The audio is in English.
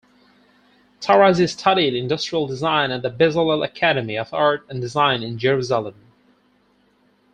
Tarazi studied industrial design at the Bezalel Academy of Art and Design in Jerusalem.